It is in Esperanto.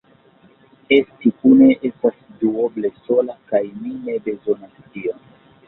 Esti kune estas duoble sola kaj mi ne bezonas tion.